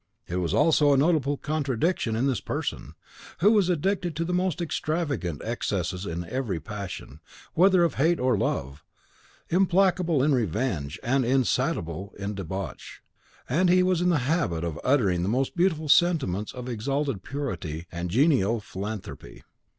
It was also a notable contradiction in this person, who was addicted to the most extravagant excesses in every passion, whether of hate or love, implacable in revenge, and insatiable in debauch, that he was in the habit of uttering the most beautiful sentiments of exalted purity and genial philanthropy.